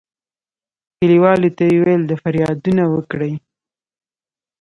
کلیوالو ته یې ویل د فریادونه وکړي.